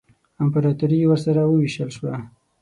امپراطوري یې سره ووېشل شوه.